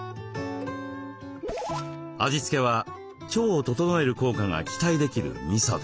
味付けは腸を整える効果が期待できるみそで。